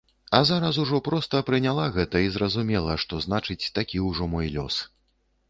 А зараз ужо проста прыняла гэта і зразумела, што, значыць, такі ўжо мой лёс.